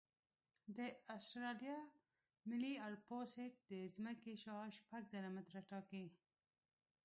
د اسټرالیا ملي الپسویډ د ځمکې شعاع شپږ زره متره ټاکي